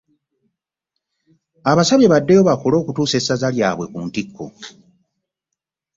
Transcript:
Abasabye baddeyo bakole okutuusa essaza lyabwe ku ntikko.